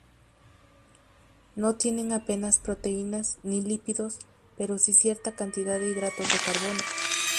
No tienen apenas proteínas ni lípidos pero sí cierta cantidad de hidratos de carbono.